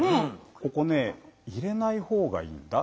ここね入れない方がいいんだ。